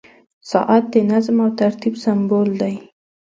• ساعت د نظم او ترتیب سمبول دی.